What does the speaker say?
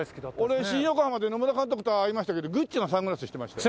俺新横浜で野村監督と会いましたけどグッチのサングラスしてましたよ。